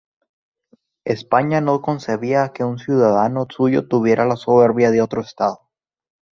España no concebía que un ciudadano suyo tuviera la soberanía de otro estado.